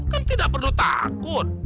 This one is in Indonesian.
kan tidak perlu takut